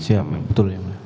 siap betul ya mulia